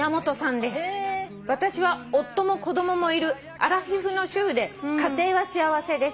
「私は夫も子供もいるアラフィフの主婦で家庭は幸せです」